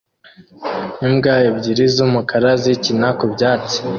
Imbwa ebyiri z'umukara zikina ku byatsi